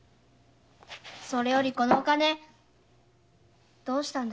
それよりこのお金どうしたんだろう。